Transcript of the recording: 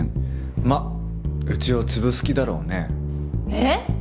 まあうちを潰す気だろうね。えっ？